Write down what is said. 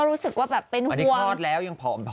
ก็รู้สึกว่าเป็นห่วงอันนี้คลอดแล้วยังผอมหน่อยเหรอ